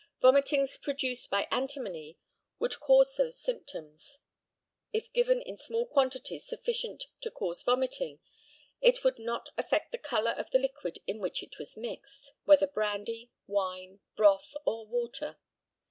Vomitings produced by antimony would cause those symptoms. If given in small quantities sufficient to cause vomiting it would not affect the colour of the liquid in which it was mixed, whether brandy, wine, broth, or water.